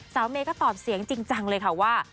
เมย์ก็ตอบเสียงจริงจังเลยค่ะว่า